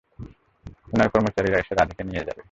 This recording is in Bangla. উনার কর্মচারীরা এসে রাধেকে নিয়ে যাবে।